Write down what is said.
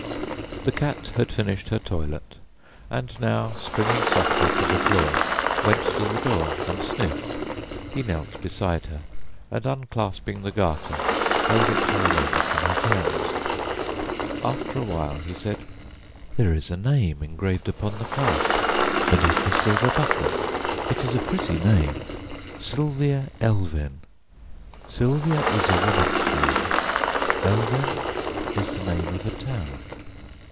'" The cat had finished her toilet, and now, springing softly to the floor, went to the door and sniffed. He knelt beside her, and unclasping the garter held it for a moment in his hands. After a while he said: "There is a name engraved upon the silver clasp beneath the buckle. It is a pretty name, Sylvia Elven. Sylvia is a woman's name, Elven is the name of a town.